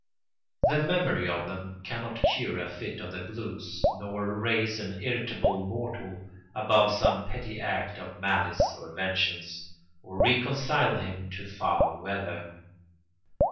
The memory of them cannot cure a fit of the blues nor raise an irritable mortal above some petty act of malice or vengeance, or reconcile him to foul weather.